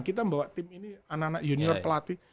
kita membawa tim ini anak anak junior pelatih